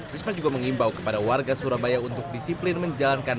risma juga mengimbau kepada warga surabaya untuk disiplin menjalankan